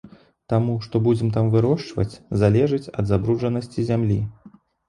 Таму, што будзем там вырошчваць, залежыць ад забруджанасці зямлі.